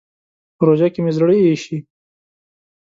په روژه کې مې زړه اېشي.